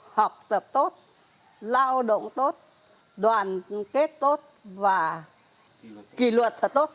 học tập tốt lao động tốt đoàn kết tốt và kỷ luật thật tốt